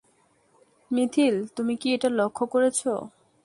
মিথিলি, তুমি কি এটা লক্ষ্য করেছো?